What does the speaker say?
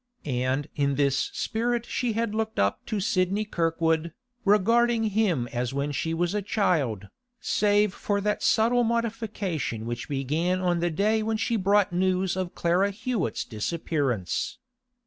And in this spirit had she looked up to Sidney Kirkwood, regarding him as when she was a child, save for that subtle modification which began on the day when she brought news of Clara Hewett's disappearance.